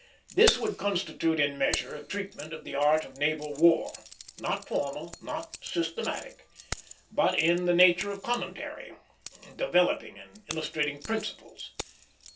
This would constitute in measure a treatment of the art of naval war; not formal, nor systematic, but in the nature of commentary, developing and illustrating principles.